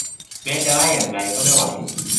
แม้จะไล่อย่างไรก็ไม่ไหว